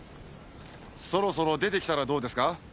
そろそろ出てきたらどうですか？